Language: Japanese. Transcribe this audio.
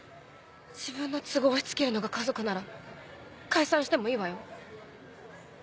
自分の都合を押し付けるのが家族なら解散してもいいわよ。